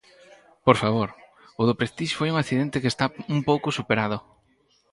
¡Por favor!, o do Prestige foi un accidente que está un pouco superado.